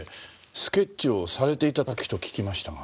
スケッチをされていた時と聞きましたが。